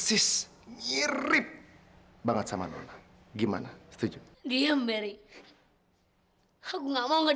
ini barangnya bos